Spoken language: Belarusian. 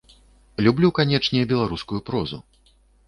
Люблю, канечне, беларускую прозу.